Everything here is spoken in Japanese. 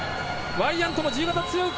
ワイヤントも自由形、強い。